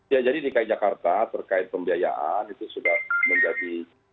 ya jadi dki jakarta terkait pembiayaan itu sudah menjadi